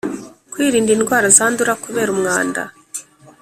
kwirinda indwara zandura kubera umwanda